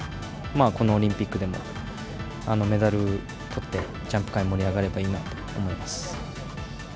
このオリンピックでもメダルとって、ジャンプ界、盛り上がればいいなと思います。